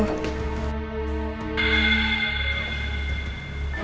paket makanan buat bu andin